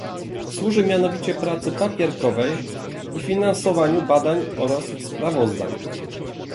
Służy mianowicie pracy papierkowej i finansowaniu badań oraz sprawozdań